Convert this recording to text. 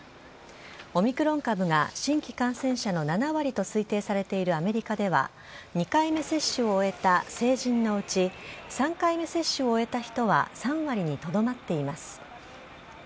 オミクロン株が新規感染者の７割と推定されているアメリカでは、２回目接種を終えた成人のうち、３回目接種を終えた人は３割にとどまっています。